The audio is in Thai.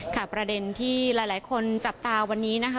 ประเด็นที่หลายคนจับตาวันนี้นะคะ